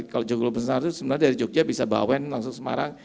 kalau joglo besar itu sebenarnya dari jogja bisa bawen langsung semarang